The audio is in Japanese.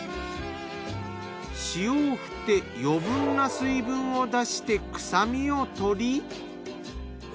塩を振って余分な水分を出して臭みを取り。